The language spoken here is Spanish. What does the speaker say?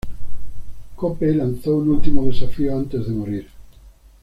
Cope lanzó un último desafío antes de morir.